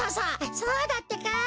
そうだってか！